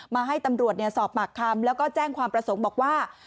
มาให้ตำรวจสอบปากคำแล้วก็แจ้งความประสงค์บอกว่า